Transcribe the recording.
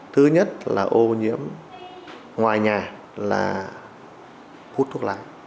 thứ nhất là ô nhiễm ngoài nhà là hút thuốc lá